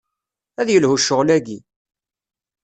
Ad yelhu ccɣel-aki.